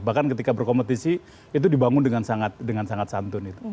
bahkan ketika berkompetisi itu dibangun dengan sangat santun